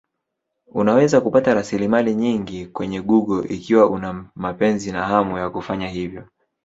Unaweza kupata rasilimali nyingi kwenye Google ikiwa una mapenzi na hamu ya kufanya hivyo.